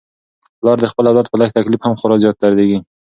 پلار د خپل اولاد په لږ تکلیف هم خورا زیات دردیږي.